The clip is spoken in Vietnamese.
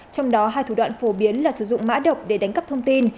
trong đó hai thủ đoạn phổ biến là sử dụng mã độc để đánh cắp thông tin